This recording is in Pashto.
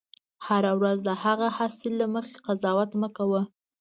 هره ورځ د هغه حاصل له مخې قضاوت مه کوه.